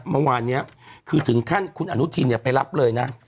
เมื่อวานนี้คือถึงขั้นคุณอนุทินไปรับเลยนะ